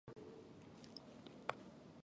僕はそれを引っ張り、取り出す